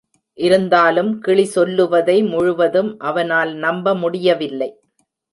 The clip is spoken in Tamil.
இருந்தாலும் கிளி சொல்லுவதை முழுவதும் அவனால் நம்ப முடியவில்லை.